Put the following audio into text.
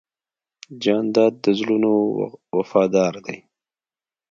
جانداد د زړونو وفادار دی.